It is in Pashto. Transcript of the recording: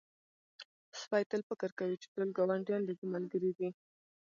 سپی تل فکر کوي چې ټول ګاونډیان د ده ملګري دي.